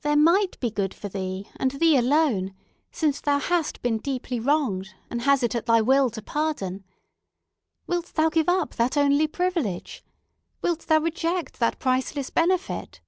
There might be good for thee, and thee alone, since thou hast been deeply wronged and hast it at thy will to pardon. Wilt thou give up that only privilege? Wilt thou reject that priceless benefit?"